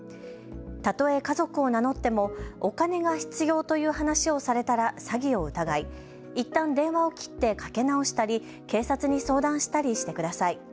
たとえ家族を名乗ってもお金が必要という話をされたら詐欺を疑い、いったん電話を切ってかけ直したり警察に相談したりしてください。